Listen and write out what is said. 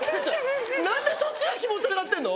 何でそっちが気持ち悪がってんの？